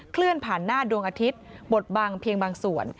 เคลื่อนผ่านหน้าดวงอาทิตย์บทบังเพียงบางส่วน